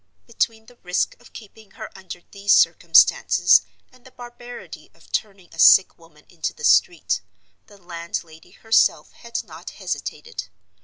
Between the risk of keeping her under these circumstances, and the barbarity of turning a sick woman into the street, the landlady herself had not hesitated.